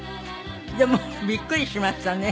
でもびっくりしましたね。